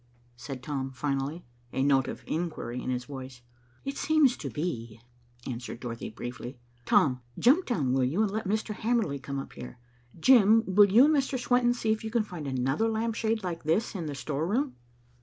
said Tom finally, a note of inquiry in his voice. "It seems to be," answered Dorothy briefly. "Tom, jump down, will you, and let Mr. Hamerly come up here. Jim, will you and Mr. Swenton see if you can find another lamp shade like this in the storeroom."